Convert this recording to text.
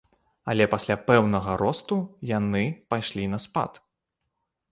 Але пасля пэўнага росту яны пайшлі на спад.